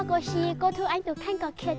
bây giờ cô có thể vào giúp cháu được không